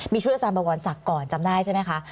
มีช่วยอาจารย์บวรศักดิ์ก่อนจำได้ใช่ไหมคะ